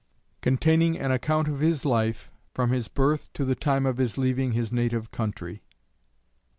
_Containing an account of his life, from his birth to the time of his leaving his native country.